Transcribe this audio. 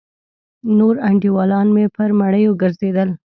نور انډيولان مې پر مړيو گرځېدل.